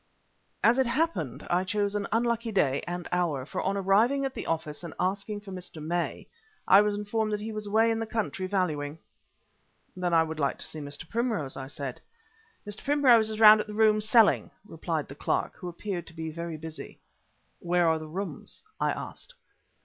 As it happened I chose an unlucky day and hour, for on arriving at the office and asking for Mr. May, I was informed that he was away in the country valuing. "Then I would like to see Mr. Primrose," I said. "Mr. Primrose is round at the Rooms selling," replied the clerk, who appeared to be very busy. "Where are the Rooms?" I asked.